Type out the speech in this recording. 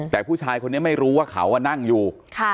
แต่ผู้ชายคนนี้ไม่รู้ว่าเขานั่งอยู่